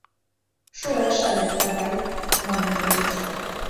«Шуэш але, авай, — манын Веруш.